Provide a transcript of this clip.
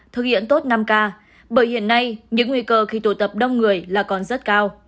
thực hiện tốt năm k bởi hiện nay những nguy cơ khi tụ tập đông người là còn rất cao